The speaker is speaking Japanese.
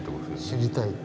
知りたい。